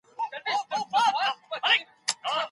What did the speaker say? که سياست سوله ييز وي ټولنه به هوسا وي.